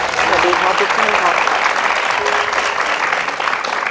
สวัสดีครับพี่คุณครับ